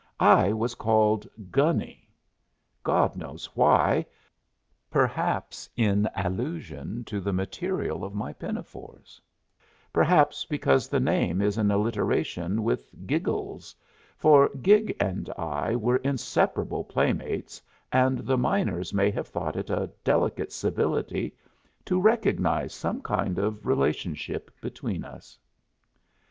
I was called "Gunny." God knows why; perhaps in allusion to the material of my pinafores; perhaps because the name is in alliteration with "Giggles," for Gig and I were inseparable playmates, and the miners may have thought it a delicate civility to recognize some kind of relationship between us.